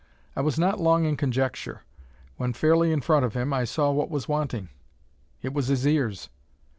I was not long in conjecture. When fairly in front of him, I saw what was wanting. It was his ears!